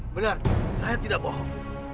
benar saya tidak bohong